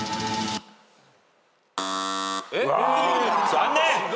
残念！